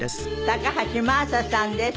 高橋真麻さんです。